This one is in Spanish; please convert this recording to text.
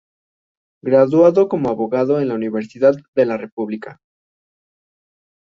Graduado como abogado en la Universidad de la República.